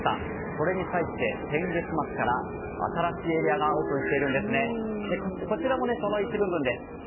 それに際して、先月末から新しいエリアがオープンしてこちらも、その一部分です。